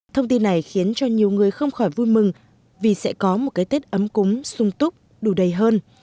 thông tin này khiến cho nhiều người không khỏi vui mừng vì sẽ có một cái tết ấm cúng sung túc đủ đầy hơn